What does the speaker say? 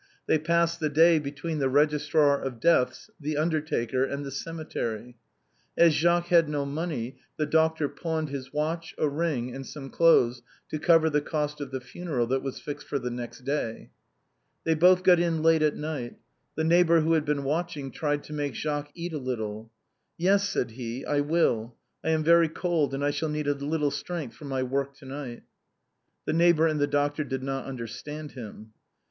They passed the day between the registrar of deaths, the undertaker and the cemetery. As Jacques had no money, the doctor pawned his watch, a ring, and some clothes, to francine's muff. 235 cover the cost of the funeral, that was fixed for the next day. They both got in late at night. The neighbor who had been watching tried to make Jacques eat a little. " Yes," said he, " I will ; I am very cold, and I shall need a little strength for my work to night." The neighbor and the doctor did not understand him.